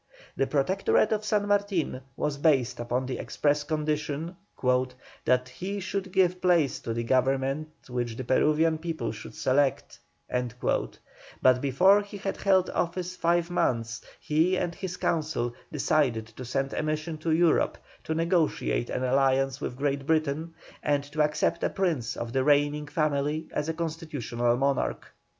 The Protectorate of San Martin was based upon the express condition "that he should give place to the government which the Peruvian people should select"; but before he had held office five months he and his Council decided to send a mission to Europe to negotiate an alliance with Great Britain, and to accept a prince of the reigning family as a Constitutional monarch.